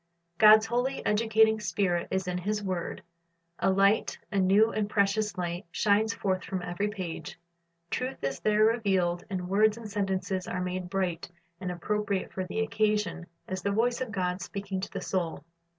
God's holy, educating Spirit is in His word. A light, a new and precious light, shines forth from every page. Truth is there revealed, and words and sentences are made bright and appropriate for the occasion, as the voice of God speaking to the soul.